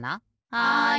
はい！